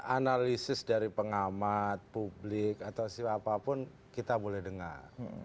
analisis dari pengamat publik atau siapapun kita boleh dengar